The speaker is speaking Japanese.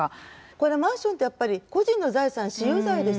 これマンションってやっぱり個人の財産私有財ですよね。